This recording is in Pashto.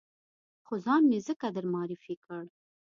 خو ځان مې ځکه در معرفي کړ.